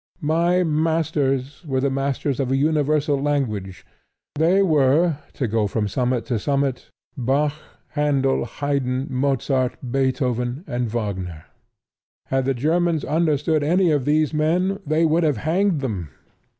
My masters were the masters of a universal language: they were, to go from summit to summit, Bach, Handel, Haydn, Mozart, Beethoven and Wagner. Had the Germans understood any of these men, they would have hanged them.